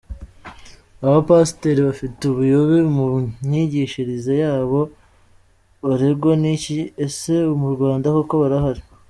Abapasiteri bafite ubuyobe mu myigishirize yabo barangwa n'iki ese mu Rwanda koko barahari?.